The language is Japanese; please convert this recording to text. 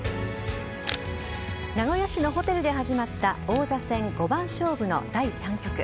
名古屋市のホテルで始まった王座戦五番勝負の第３局。